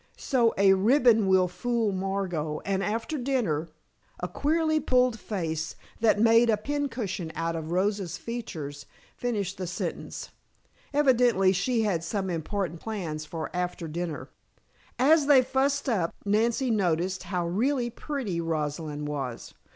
So a ribbon will fool Margot, and after dinner " A queerly pulled face, that made a pincushion out of Rosa's features, finished the sentence. Evidently she had some important plans for after dinner. As they "fussed up" Nancy noticed how really pretty Rosalind was.